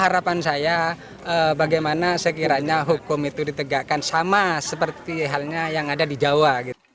harapan saya bagaimana sekiranya hukum itu ditegakkan sama seperti halnya yang ada di jawa